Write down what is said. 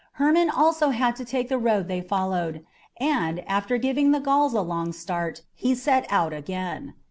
Hermon also had to take the road they followed, and, after giving the Gauls a long start, he set out again.